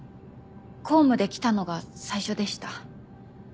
公務で来たのが最初でした。